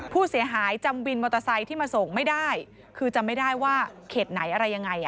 ผู้เสียหายจำวินมอเตอร์ไซค์ที่มาส่งไม่ได้คือจำไม่ได้ว่าเขตไหนอะไรยังไง